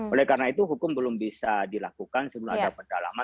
oleh karena itu hukum belum bisa dilakukan sebelum ada pendalaman